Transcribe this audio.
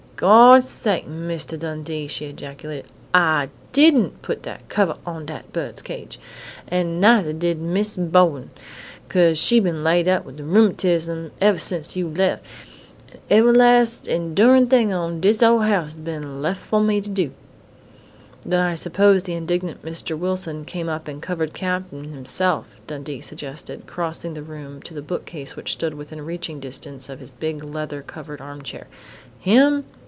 "Gawd's sake, Mistah Dundee!" she ejaculated. "I didn't put dat covah on dat bird's cage! An' neithah did Mis' Bowen, 'cause she been laid up with rheumatiz eveh since you lef, an' eveh las' endurin' thing in dis ol' house has been lef fo' me to do!" "Then I suppose the indignant Mr. Wilson came up and covered Cap'n himself," Dundee suggested, crossing the room to the bookcase which stood within reaching distance of his big leather covered armchair. "Him?"